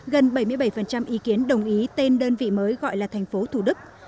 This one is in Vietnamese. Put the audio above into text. gần bảy mươi bảy ý kiến đồng ý tên đơn vị mới gọi là thành phố thủ đức